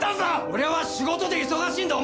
俺は仕事で忙しいんだ！